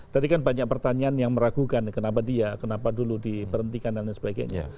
tadi kan banyak pertanyaan yang meragukan kenapa dia kenapa dulu diberhentikan dan sebagainya